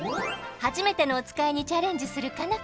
はじめてのおつかいにチャレンジする佳奈